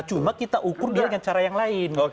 cuma kita ukur dia dengan cara yang lain